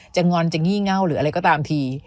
งอนจะงี่เง่าหรืออะไรก็ตามที